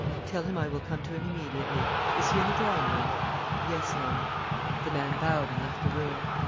"Tell him I will come to him immediately. Is he in the drawing room?" "Yes, ma'am." The man bowed and left the room.